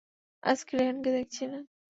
আজকে রেহানকে দেখছি না।